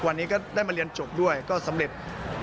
วันนี้ก็ได้มาเรียนจบด้วยก็สำเร็จ